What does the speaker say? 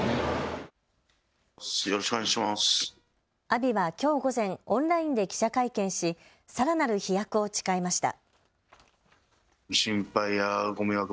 阿炎はきょう午前、オンラインで記者会見しさらなる飛躍を誓いました。